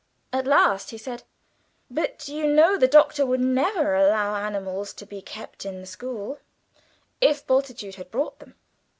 At last he said, "But you know the Doctor would never allow animals to be kept in the school, if Bultitude had brought them.